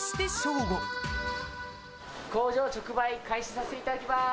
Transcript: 工場直売、開始させていただきます。